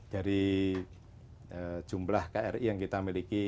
dari jumlah kri yang kita miliki